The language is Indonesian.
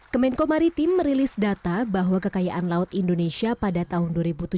kemenko maritim merilis data bahwa kekayaan laut indonesia pada tahun dua ribu tujuh belas